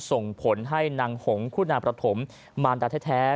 ส่งผลให้นางหงคู่นาประถมมารดาแท้